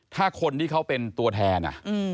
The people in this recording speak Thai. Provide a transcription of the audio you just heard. ถ้าคนที่เขาเป็นตัวแทน